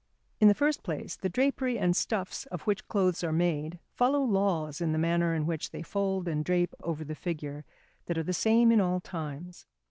In the first place, the drapery and stuffs of which clothes are made follow laws in the manner in which they fold and drape over the figure, that are the same in all times.